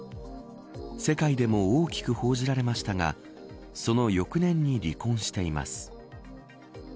世界でも大きく報じられましたがその翌年に離婚しています。